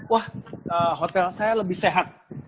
wah hotel saya lebih sehat